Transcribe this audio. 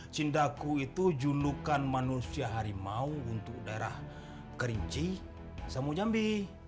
cindaku itu julukan manusia harimau untuk daerah kerinci samujambi